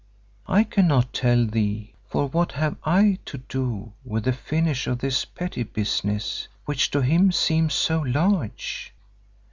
I cannot tell thee, for what have I do to with the finish of this petty business, which to him seems so large?